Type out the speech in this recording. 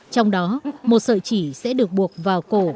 trong đó một sợi chỉ sẽ được buộc vào cổ tay gia chủ cầu bình an